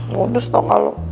modus tau gak lo